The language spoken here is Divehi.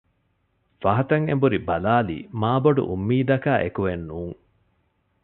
ފަހަތަށް އެނބުރި ބަލާލީ މާ ބޮޑު އުއްމީދަކާ އެކުއެއް ނޫން